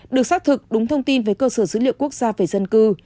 được xác thực đúng thông tin về cơ sở dữ liệu quốc gia về dân cư